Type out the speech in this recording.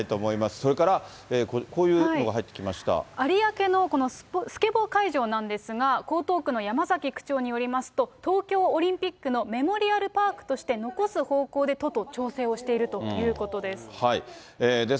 それから、こういうのが入ってき有明のスケボー会場なんですが、江東区の山崎区長によりますと、東京オリンピックのメモリアルパークとして残す方向で、都と調整をしているということです。